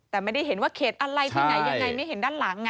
แต่ไม่ได้เห็นว่าเขตอะไรที่ไหนยังไงไม่เห็นด้านหลังไง